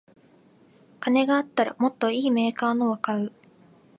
金があったらもっといいメーカーのを買う